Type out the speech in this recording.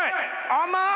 甘っ。